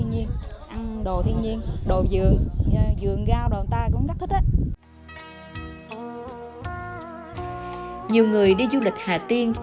nhiều người đi du lịch hà tiên